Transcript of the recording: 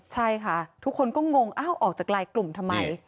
ใช่ค่ะทุกคนก็งงอ้าวออกจากลายกลุ่มทำไม